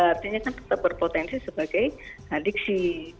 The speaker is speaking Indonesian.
artinya kan tetap berpotensi sebagai adiksi